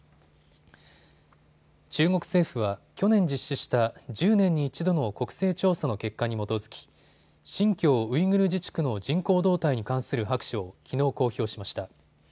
中国政府は去年実施した１０年に１度の国勢調査の結果に基づき新疆ウイグル自治区の人口動態に関する白書をきのう公表しました。